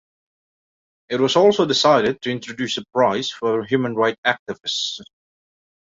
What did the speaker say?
It was also decided to introduce a prize for human right activists.